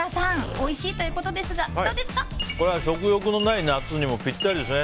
おいしいということですがこれは食欲のない夏にもぴったりですね。